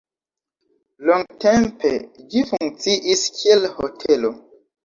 Longtempe ĝi funkciis kiel hotelo.